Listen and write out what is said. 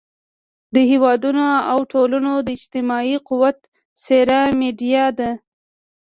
د هېوادونو او ټولنو د اجتماعي قوت څېره میډیا ده.